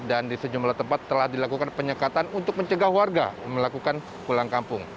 dan di sejumlah tempat telah dilakukan penyekatan untuk mencegah warga melakukan pulang kampung